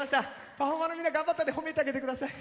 パフォーマーのみんな頑張ったんで褒めてあげてください。